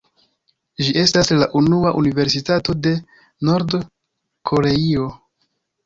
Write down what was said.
Ĝi estas la unua universitato de Nord-Koreio.